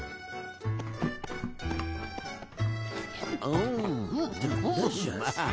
うん。